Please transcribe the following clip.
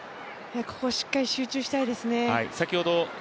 ここ、しっかり集中したいですね。